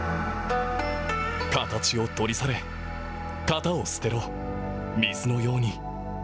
形を取り去れ、型を捨てろ、水のように。